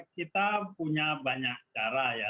kita punya banyak cara ya